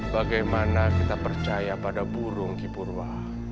bagaimana kita percaya pada burung kipurwa